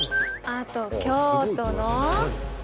あと京都の。